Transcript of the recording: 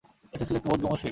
এটা ছিল একটা বোধগম্য স্লিপ।